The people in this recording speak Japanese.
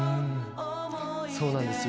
そうなんですよ。